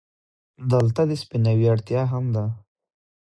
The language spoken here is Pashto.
دلته د دې سپيناوي اړتيا هم ده،